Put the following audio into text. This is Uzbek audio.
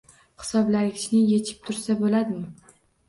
Hisoblagichni yechib tursa bo‘ladimi?